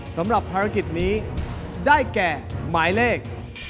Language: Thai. สำหรับภารกิจนี้ได้แก่หมายเลข